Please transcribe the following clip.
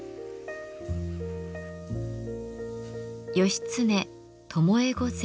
義経巴御前